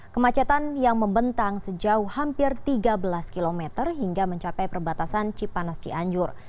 kemacetan yang membentang sejauh hampir tiga belas km hingga mencapai perbatasan cipanas cianjur